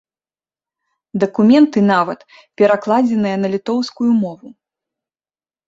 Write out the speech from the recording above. Дакументы нават перакладзеныя на літоўскую мову.